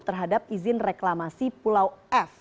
terhadap izin reklamasi pulau f